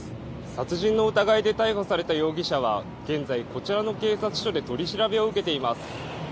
殺人の疑いで逮捕された容疑者は現在こちらの警察署で取り調べを受けています。